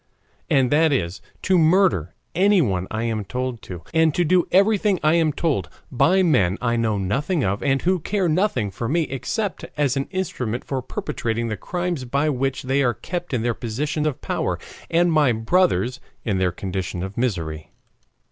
and that is, to murder anyone I am told to, and to do everything I am told by men I know nothing of, and who care nothing for me except as an instrument for perpetrating the crimes by which they are kept in their position of power, and my brothers in their condition of misery.